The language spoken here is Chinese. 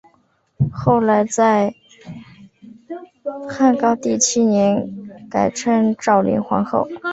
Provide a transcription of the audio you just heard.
后来在汉高帝七年改称昭灵皇后。